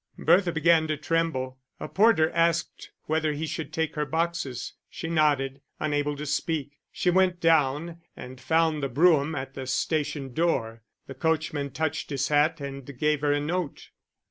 Bertha began to tremble. A porter asked whether he should take her boxes; she nodded, unable to speak. She went down and found the brougham at the station door; the coachman touched his hat and gave her a note.